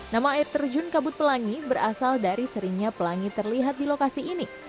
nama air terjun kabut pelangi berasal dari seringnya pelangi terlihat di lokasi ini